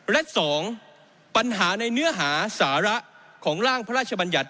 และ๒ปัญหาในเนื้อหาสาระของร่างพระราชบัญญัติ